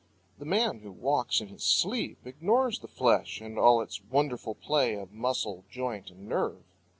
The man who walks in his sleep ignores the flesh and all its wonderful play of muscle, joint, and nerve.